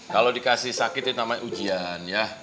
kalau dikasih sakit itu namanya ujian ya